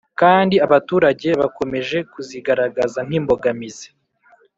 kandi abaturage bakomeje kuzigaragaza nk imbogamizi